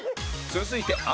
続いて淳